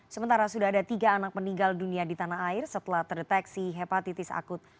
sementara sudah ada tiga anak meninggal dunia di tanah air setelah terdeteksi hepatitis akut